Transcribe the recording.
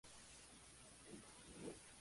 Karma funge como profesora del Instituto Xavier.